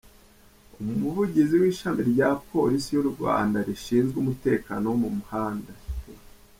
Umuvugizi w’ishami rya Polisi y’u Rwanda rishinzwe umutekano wo mu muhanga, Sup.